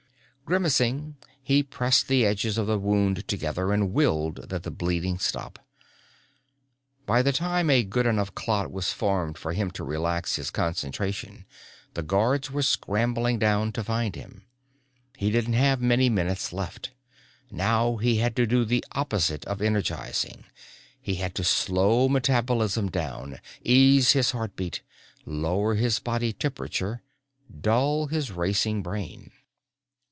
Grimacing, he pressed the edges of the wound together and willed that the bleeding stop. By the time a good enough clot was formed for him to relax his concentration the guards were scrambling down to find him. He didn't have many minutes left. Now he had to do the opposite of energizing. He had to slow metabolism down, ease his heartbeat, lower his body temperature, dull his racing brain.